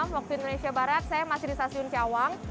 waktu indonesia barat saya masih di stasiun cawang